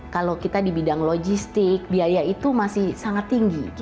kalau kita di bidang logistik biaya itu masih sangat tinggi